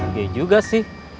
iya juga sih